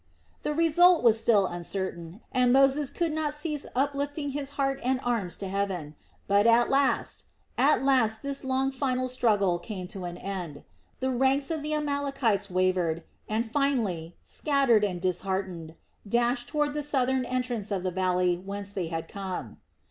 The result was still uncertain, and Moses could not cease uplifting his heart and arms to heaven, but at last, at last this long final struggle came to an end. The ranks of the Amalekites wavered and finally, scattered and disheartened, dashed toward the southern entrance of the valley whence they had come.